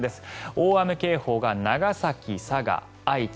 大雨警報が長崎、佐賀、愛知。